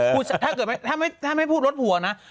เพราะถ้าไม่พูดรถผัวนะ